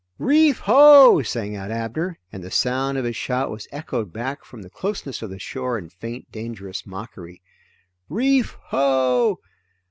"Reef ho!" sang out Abner, and the sound of his shout was echoed back from the closeness of the shore in faint dangerous mockery. "_Reef ho!